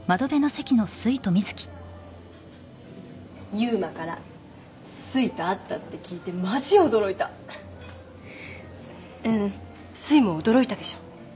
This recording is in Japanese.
悠馬からすいと会ったって聞いてマジ驚いたうんすいも驚いたでしょ？